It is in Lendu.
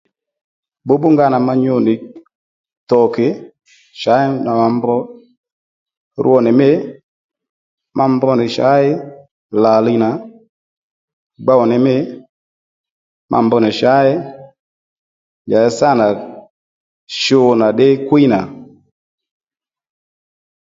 Bbǔbbú nga nà ma nyu nì tòkǐ shǎyi nà ma mbr rwo nì mî ma mbr nì shǎy lǎliy nà gbow nì mî ma mbr nì shǎyi njàddí sâ nà shu nà ddí kwíy na